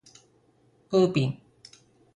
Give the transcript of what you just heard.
ウーピン